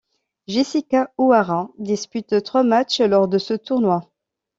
Jessica Houara dispute trois matchs lors de ce tournoi.